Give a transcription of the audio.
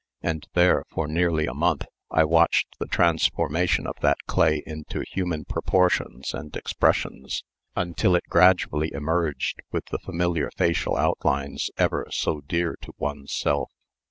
And there, for nearly a month, I watched the transformation of that clay into human proportions and expressions, until it gradually emerged with the familiar facial outlines ever so dear to one's self.